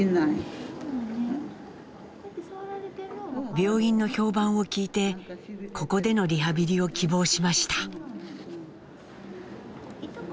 病院の評判を聞いてここでのリハビリを希望しました。